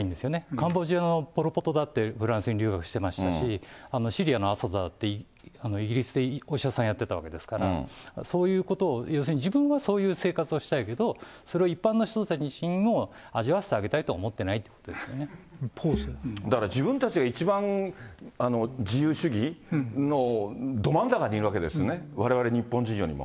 カンボジアのポルポトだってフランスに留学してましたし、シリアのアサドだってイギリスでお医者さんやってたわけですから、そういうことを、要するに、自分はそういう生活をしたいけど、それを一般の人たちにも味わわせてあげたいとは思ってないっていだから自分たちが一番自由主義のど真ん中にいるわけですよね、われわれ日本人以上にも。